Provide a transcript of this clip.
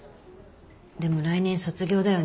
でも来年卒業だよね。